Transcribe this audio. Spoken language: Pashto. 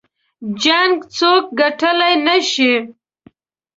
جـنګ څوك ګټلی نه شي